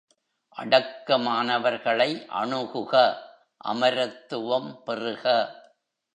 அடக்கமானவர்களை அணுகுக அமரத்துவம் பெறுக.